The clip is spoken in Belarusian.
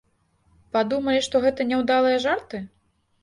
Падумалі, што гэта няўдалыя жарты?